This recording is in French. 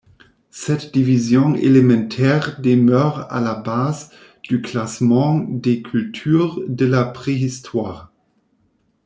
Cette division élémentaire demeure à la base du classement des cultures de la préhistoire.